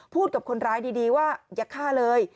กับคนร้ายดีว่าอย่าฆ่าเลย